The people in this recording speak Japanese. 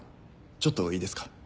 ちょっといいですか？